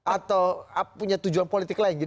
atau punya tujuan politik lain